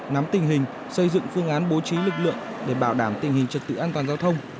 nắm tình hình xây dựng phương án bố trí lực lượng để bảo đảm tình hình trật tự an toàn giao thông